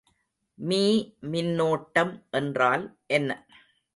Me மின்னோட்டம் என்றால் என்ன?